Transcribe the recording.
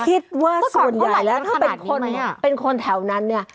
คิดว่าส่วนใหญ่แล้วถ้าเป็นคนแถวนั้น